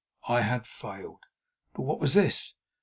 I had failed! But what was this?